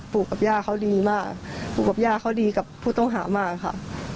ปู่กับย่าเขาดีมากปู่กับย่าเขาดีกับผู้ต้องหามากค่ะ